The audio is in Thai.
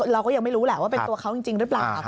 เราก็ยังไม่รู้แหละว่าเป็นตัวเขาจริงหรือเปล่า